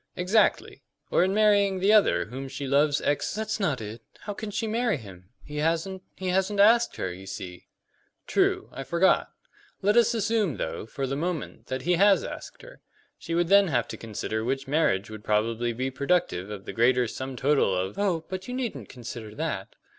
"Exactly. Or in marrying the other whom she loves ex " "That's not it. How can she marry him? He hasn't he hasn't asked her, you see." "True; I forgot. Let us assume, though, for the moment, that he has asked her. She would then have to consider which marriage would probably be productive of the greater sum total of " "Oh, but you needn't consider that."